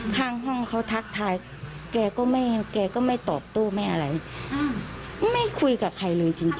ข้างห้องเขาทักทายแกก็ไม่ตอบโต้ไม่อะไร